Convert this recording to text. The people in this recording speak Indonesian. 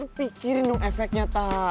pikirin dong efek nyata